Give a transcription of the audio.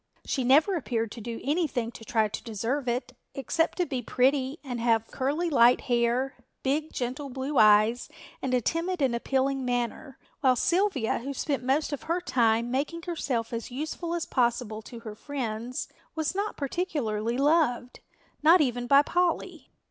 She never appeared to do anything to try to deserve it, except to be pretty and have curly light hair, big gentle, blue eyes and a timid and appealing manner, while Sylvia, who spent most of her time making herself as useful as possible to her friends, was not particularly loved, not even by Polly.